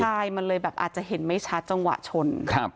ใช่มันเลยแบบอาจจะเห็นไม่ชัดจังหวะชน